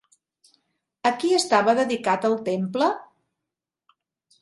A qui estava dedicat el temple?